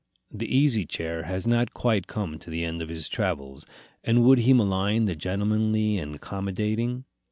The Easy Chair has not quite come to the end of his travels; and would he malign the gentlemanly and accommodating?